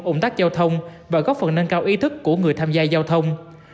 ủng tắc giao thông và góp phần nâng cao ý thức của người tham gia giao thông